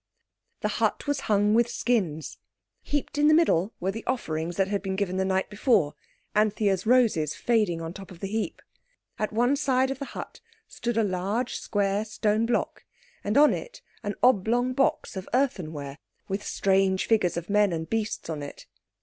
The hut was hung with skins. Heaped in the middle were the offerings that had been given the night before, Anthea's roses fading on the top of the heap. At one side of the hut stood a large square stone block, and on it an oblong box of earthenware with strange figures of men and beasts on it.